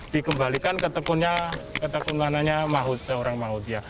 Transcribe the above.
dikembalikan ke tekunnya ke tekun mananya seorang maut ya